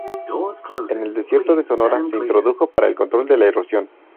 En el desierto de Sonora, se introdujo para el control de la erosión.